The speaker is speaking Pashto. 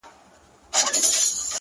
• نه ملخ نه یې تر خوله خوږه دانه سوه ,